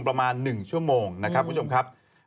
ประมาณ๑ชั่วโมงนะครับ